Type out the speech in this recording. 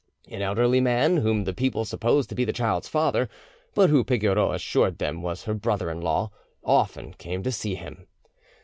An elderly man, whom the people supposed to be the child's father, but who Pigoreau assured them was her brother in law, often came to see him.